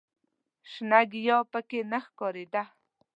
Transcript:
شنه ګیاه په کې نه ښکارېده.